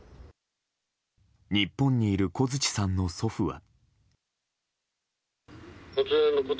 日本にいる小槌さんの祖父は。